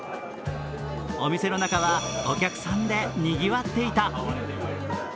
お店の中は、お客さんで賑わっていた。